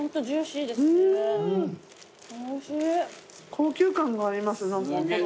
高級感があります。